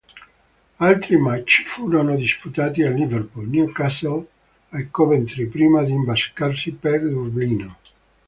Altri match furono disputati a Liverpool, Newcastle e Coventry prima di imbarcarsi per Dublino.